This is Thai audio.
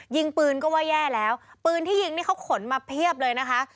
ยิงปืนก็ว่าแย่แล้วปืนที่ยิงนี่เขาขนมาเพียบเลยนะคะ